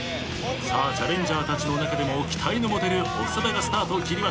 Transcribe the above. さあチャレンジャーたちの中でも期待の持てる長田がスタートを切りました。